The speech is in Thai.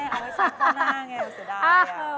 เอาไว้สักข้อหน้าไงสุดยอด